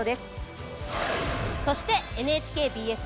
そしてＮＨＫＢＳ